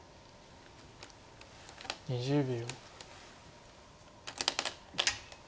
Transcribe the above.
２０秒。